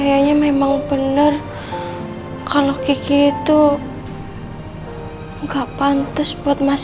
saya pasti kata bahasanya kepadamu